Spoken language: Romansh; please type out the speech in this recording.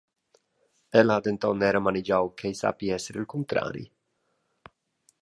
Ella ha denton era manegiau ch’ei sappi esser il cuntrari.